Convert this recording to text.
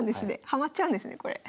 ハマっちゃうんですねこれ。